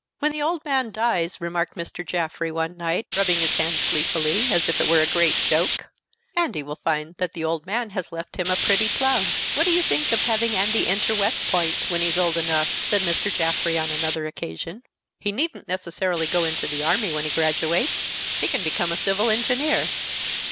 "When the old man dies," remarked Mr. Jaffrey one night, rubbing his hands gleefully, as if it were a great joke, "Andy will find that the old man has left him a pretty plum." "What do you think of having Andy enter West Point, when he's old enough?" said Mr. Jaffrey on another occasion. "He needn't necessarily go into the army when he graduates; he can become a civil engineer."